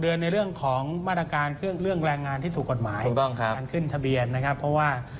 ในเรื่องของมาตรการเครื่องเรื่องแรงงานที่ถูกกฎหมายถูกต้องครับการขึ้นทะเบียนนะครับเพราะว่า